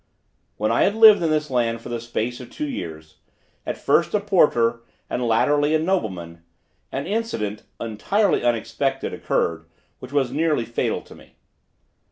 When I had lived in this land for the space of two years, at first a porteur and latterly a nobleman, an incident, entirely unexpected, occurred, which was nearly fatal to me.